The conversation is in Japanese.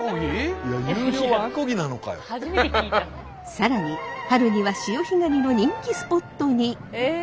更に春には潮干狩りの人気スポットに！